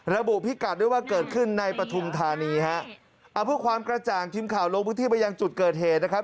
พิกัดด้วยว่าเกิดขึ้นในปฐุมธานีฮะเอาเพื่อความกระจ่างทีมข่าวลงพื้นที่ไปยังจุดเกิดเหตุนะครับ